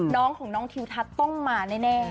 น้องของน้องทิวทัศน์ต้องมาแน่